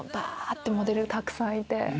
ってモデルたくさんいて。